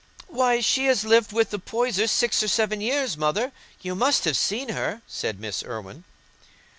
"Why, she has lived with the Poysers six or seven years, Mother; you must have seen her," said Miss Irwine.